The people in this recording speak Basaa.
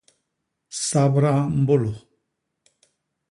Sabra mbôlô.